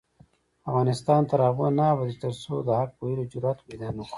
افغانستان تر هغو نه ابادیږي، ترڅو د حق ویلو جرات پیدا نکړو.